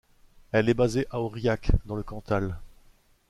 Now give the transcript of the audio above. Elle est basée à Aurillac, dans le Cantal.